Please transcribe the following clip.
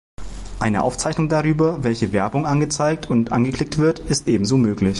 Eine Aufzeichnung darüber, welche Werbung angezeigt und angeklickt wird, ist ebenso möglich.